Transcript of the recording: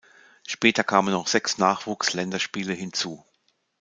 Später kamen noch sechs Nachwuchs-Länderspiele hinzu.